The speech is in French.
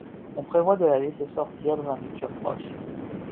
On prévoit de la laisser sortir dans un futur proche.